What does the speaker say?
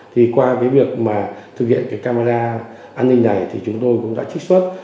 thì qua việc thực hiện camera an ninh này thì chúng tôi cũng đã trích xuất